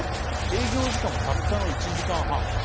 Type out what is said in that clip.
「営業時間もたったの１時間半」